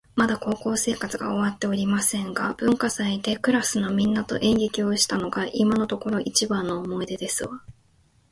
まだ高校生活が終わっておりませんが、文化祭でクラスの皆様と演劇をしたのが今のところ一番の思い出ですわ